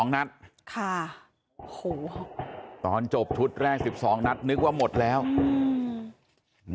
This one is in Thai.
๒๒นัทค่ะโหตอนจบทุศแรก๑๒นัทนึกว่าหมดแล้วอืม